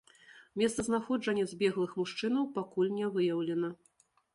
Месца знаходжання збеглых мужчынаў пакуль не выяўлена.